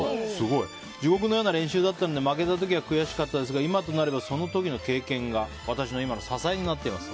地獄のような練習だったので負けた時は悔しかったですが今となればその時の経験が私の今の支えになっています。